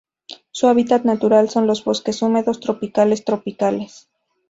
Su hábitat natural son los bosques húmedos tropicales tropicales.